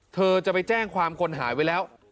เธอจะไปแจ้งความคนหายไว้แล้ว